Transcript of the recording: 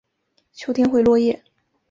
秋天会落叶。